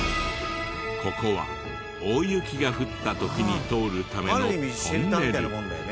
ここは大雪が降った時に通るためのトンネル。